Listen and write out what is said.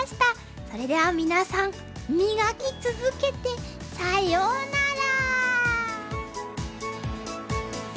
それでは皆さん磨き続けてさようなら！